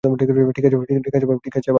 ঠিক আছে - বাবা!